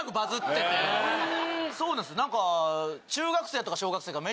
そうなんです何か。